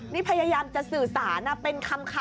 นี่พยายามจะสื่อสารเป็นคำ